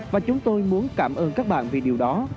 và chúng tôi muốn cảm ơn các bạn về điều đó